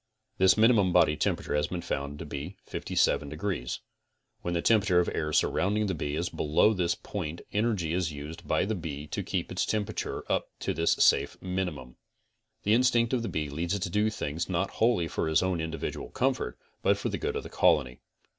This minimum body temperautre has been found to be 57 degrees. When the temperature of the air surrounding the bee is below this point energy is used by the.bee to keep its temper ature up to this safe minimum . The instinct of the bee leads it to do things, not wholly for his own individual comfort, but for the good of the colony.